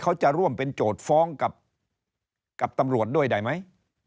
เขาจะร่วมเป็นโจทย์ฟ้องกับตำรวจด้วยได้ไหม